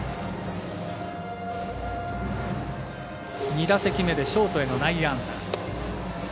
２打席目でショートへの内野安打。